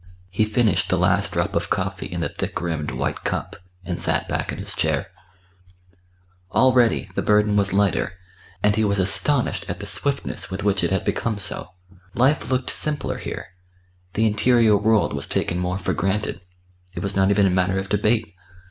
He finished the last drop of coffee in the thick rimmed white cup, and sat back in his chair. Already the burden was lighter, and he was astonished at the swiftness with which it had become so. Life looked simpler here; the interior world was taken more for granted; it was not even a matter of debate.